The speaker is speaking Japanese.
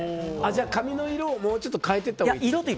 じゃあ髪の色をもうちょっと変えていったほうがいい？